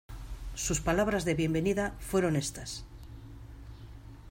sus palabras de bienvenida fueron éstas: